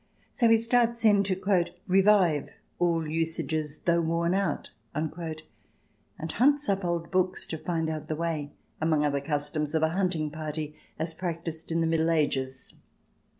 So he starts in to "revive all usages though worn out," and hunts up old books to find out the way among other customs of a hunting party as practised in the Middle Ages.